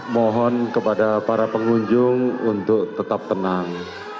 mohon kepada para pengunjung untuk tetap tenang